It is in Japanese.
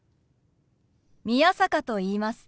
宮坂と言います。